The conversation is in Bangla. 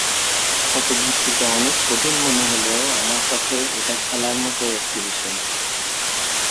আপাতদৃষ্টিতে অনেক কঠিন মনে হলেও আমার কাছে এটা খেলার মতোই একটি বিষয়।